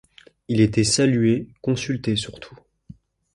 Il était salué, consulté surtout.